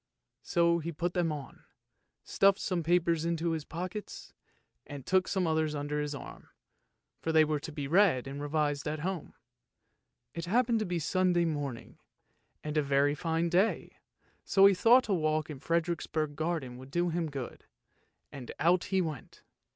So he put them on, stuffed some papers into his pockets and took some others under his arm, for they were to be read and revised at home. It happened to be Sunday morning, and a very fine day, so he thought a walk in Frederiksborg garden would do him good, and out he went.